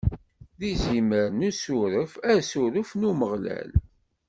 D izimer n usuref, asuref n Umeɣlal.